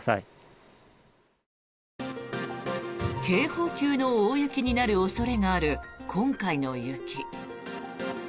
警報級の大雪になる恐れがある今回の雪。